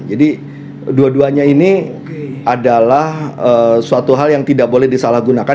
jadi dua duanya ini adalah suatu hal yang tidak boleh disalahgunakan